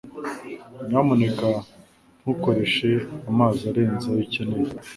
Nyamuneka ntukoreshe amazi arenze ayo ukeneye.